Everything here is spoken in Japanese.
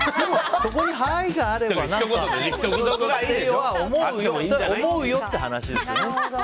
そこに、はーいがあればねって思うよって話ですよね。